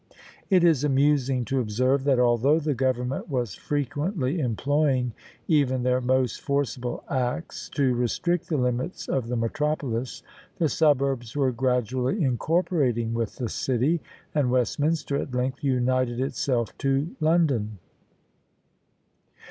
It is amusing to observe, that although the government was frequently employing even their most forcible acts to restrict the limits of the metropolis, the suburbs were gradually incorporating with the city, and Westminster at length united itself to London.